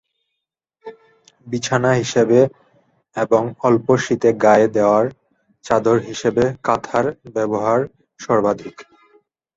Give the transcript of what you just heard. বিছানা হিসেবে এবং অল্প শীতে গায়ে দেয়ার চাদর হিসেবে কাঁথার ব্যবহার সর্বাধিক।